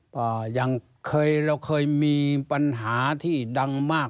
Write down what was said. เพราะเราเคยมีปัญหาที่ดังมาก